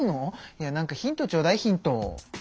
なんかヒントちょうだいヒント。